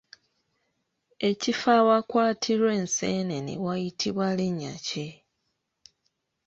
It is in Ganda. Ekifo awakwatirwa enseenene wayitibwa linnya ki?